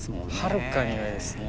はるかに上ですね。